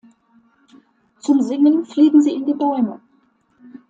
Zum Singen fliegen sie in die Bäume.